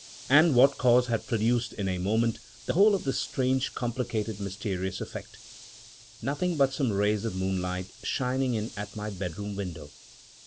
And what cause had produced in a moment the whole of this strange, complicated, mysterious effect? Nothing but some rays of moonlight shining in at my bedroom window.